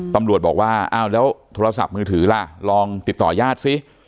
ตำรวจบอกว่าอ้าวแล้วโทรศัพท์มือถือล่ะลองติดต่อญาติซิ